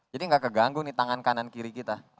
jadi enggak keganggu nih tangan kanan kiri kita